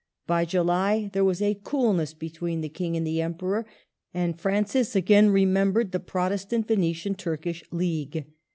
By July there was a coolness between the King and the Emperor, and Francis again remembered the Protestant Venetian Turkish League.